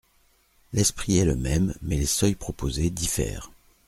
L’esprit est le même mais les seuils proposés diffèrent.